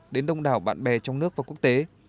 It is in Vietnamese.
đến đông đảo bạn bè trong nước và quốc tế